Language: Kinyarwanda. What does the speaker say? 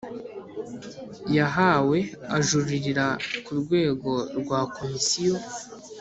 yahawe ajuririra ku rwego rwa Komisiyo